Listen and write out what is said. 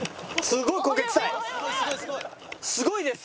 すごいです！